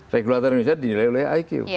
regulator indonesia dinilai oleh iq